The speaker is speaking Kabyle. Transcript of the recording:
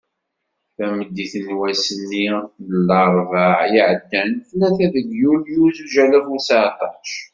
Tameddit n wass-nni n larebɛa i iɛeddan, tlata deg yulyu zuǧ alaf u seεṭac.